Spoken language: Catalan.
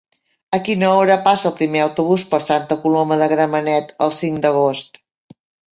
A quina hora passa el primer autobús per Santa Coloma de Gramenet el cinc d'agost?